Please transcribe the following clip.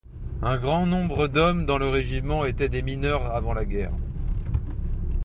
Un grand nombre d'hommes dans le régiment étaient des mineurs avant la guerre.